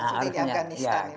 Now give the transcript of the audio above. harus punya ladang